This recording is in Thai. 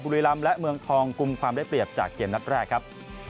บุรีรำและเมืองทองกลุ่มความได้เปรียบจากเกมนัดแรกครับ